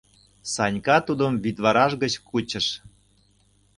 — Санька тудым вӱдвараж гыч кучыш.